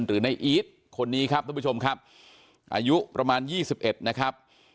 หรือในอีทคนนี้ครับทุกผู้ชมครับอายุประมาณ๒๑นะครับ